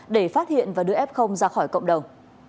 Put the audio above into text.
để phát hiện và đưa f ra khỏi cộng đồng